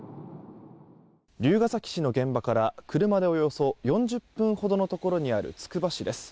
龍ケ崎市の現場から車でおよそ４０分ほどのところにあるつくば市です。